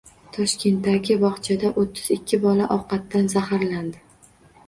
Toshkentdagi bogʻchada o‘ttiz ikki bola ovqatdan zaharlandi.